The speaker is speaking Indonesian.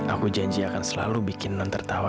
aku janji akan selalu bikin non tertawa